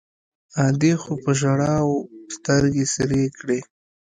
ادې خو په ژړاوو سترګې سرې کړې.